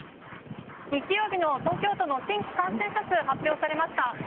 日曜日の東京都の新規感染者数が発表されました。